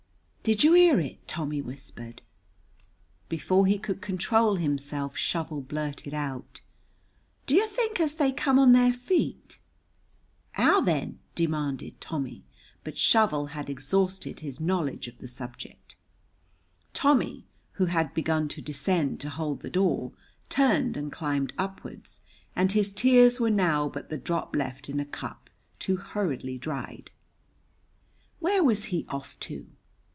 "Did you hear it?" Tommy whispered. Before he could control himself Shovel blurted out: "Do you think as they come on their feet?" "How then?" demanded Tommy; but Shovel had exhausted his knowledge of the subject. Tommy, who had begun to descend to hold the door, turned and climbed upwards, and his tears were now but the drop left in a cup too hurriedly dried. Where was he off to?